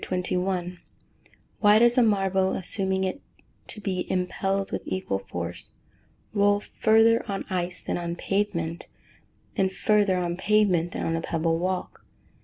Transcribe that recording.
_Why does a marble, assuming it to be impelled with equal force, roll further on ice than on pavement, and further on pavement than on a pebble walk?